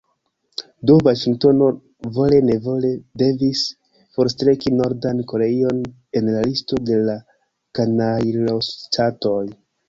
Do Vaŝingtono vole-nevole devis forstreki Nordan Koreion el la listo de kanajloŝtatoj.